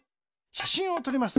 しゃしんをとります。